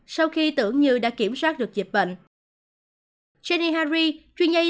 sau khi tưởng như đã kiểm soát được dịch bệnh